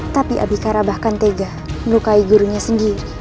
tapi abisara bahkan tega melukai gurunya sendiri